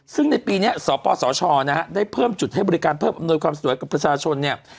ซึ่งในปีนี้สปสชนะฮะได้เพิ่มจุดให้บริการเพิ่มอำนวยความสะดวกกับประชาชนเนี่ย